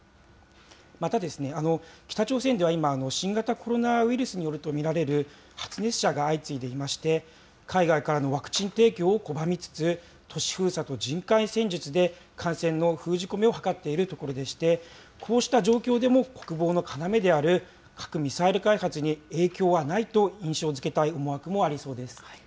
またですね、北朝鮮では今、新型コロナウイルスによると見られる発熱者が相次いでいまして、海外からのワクチン提供を拒みつつ、都市封鎖と人海戦術で感染の封じ込めを図っているところでして、こうした状況でも、国防の要である核・ミサイル開発に影響はないと印象づけたい思惑もありそうです。